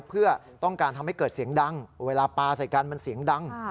เพื่อต้องการทำให้เกิดเสียงดังเวลาปลาใส่กันมันเสียงดัง